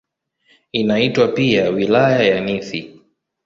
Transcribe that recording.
Inaitwa pia "Wilaya ya Nithi".